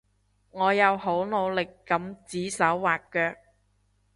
我有好努力噉指手劃腳